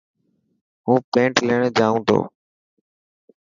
هون پينٽ ليڻ جائو تو.